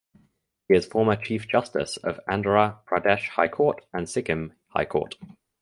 He is former Chief Justice of Andhra Pradesh High Court and Sikkim High Court.